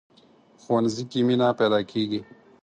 ښوونځی کې مینه پيداکېږي